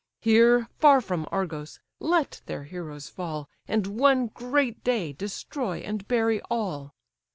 Here, far from Argos, let their heroes fall, And one great day destroy and bury all!